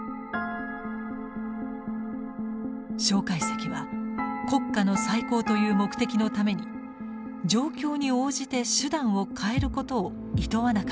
介石は国家の再興という目的のために状況に応じて手段を変えることをいとわなかったのです。